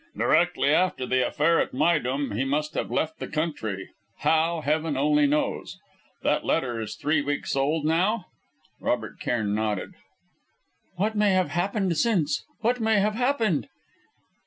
"Directly after the affair at Méydûm he must have left the country how, Heaven only knows. That letter is three weeks old, now?" Robert Cairn nodded. "What may have happened since what may have happened!"